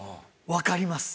わかります！